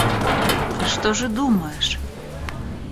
Ты что же думаешь?